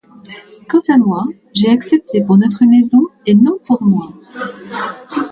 Quant à moi, j’ai accepté pour notre maison et non pour moi.